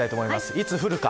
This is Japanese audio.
いつ降るか。